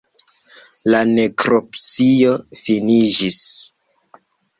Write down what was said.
La nekropsio finiĝis.